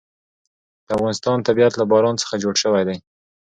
د افغانستان طبیعت له باران څخه جوړ شوی دی.